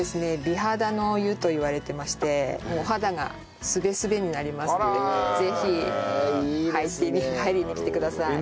美肌の湯といわれてましてお肌がスベスベになりますのでぜひ入りに来てください。